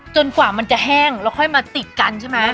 กว่ามันจะแห้งแล้วค่อยมาติดกันใช่ไหม